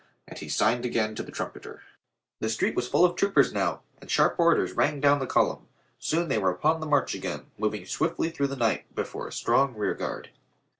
And he signed again to the trumpeter. The street was full of troopers now, and sharp orders rang down the column. Soon they were upon the march again, moving swiftly through the night before a strong rearguard.